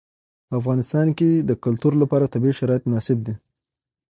په افغانستان کې د کلتور لپاره طبیعي شرایط مناسب دي.